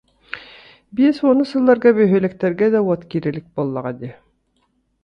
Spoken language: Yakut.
Биэс уонус сылларга бөһүөлэктэргэ да уот киирэ илик буоллаҕа дии